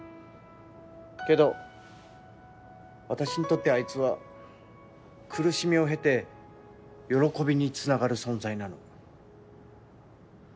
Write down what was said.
けど私にとってあいつは苦しみを経て喜びにつながる存在なの。